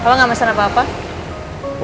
kalau gak masalah papa